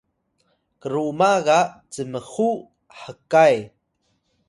kruma ga cmxu hkay